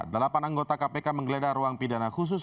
delapan anggota kpk menggeledah ruang pidana khusus